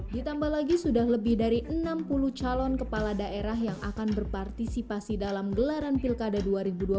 ditambah lagi sudah lebih dari enam puluh calon kepala daerah yang akan berpartisipasi dalam gelaran pilkada dua ribu dua puluh